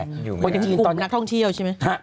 อยู่เมืองจีนตอนนี้คุบนักท่องเที่ยวใช่ไหม